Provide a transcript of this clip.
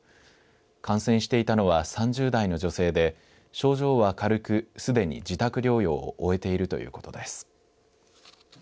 感染していたのは３０代の女性で症状は軽く、すでに自宅療養を終えているということです。